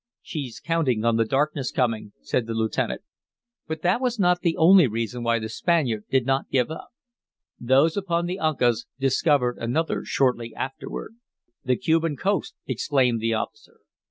"She's counting on the darkness coming," said the lieutenant. But that was not the only reason why the Spaniard did not give up; those upon the Uncas discovered another shortly afterward. "The Cuban coast," exclaimed the officer.